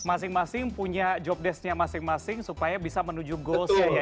masing masing punya jobdesknya masing masing supaya bisa menuju goalsnya ya